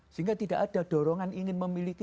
sehingga tidak ada dorongan ingin memiliki